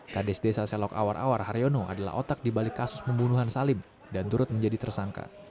kades desa selok awar awar haryono adalah otak dibalik kasus pembunuhan salim dan turut menjadi tersangka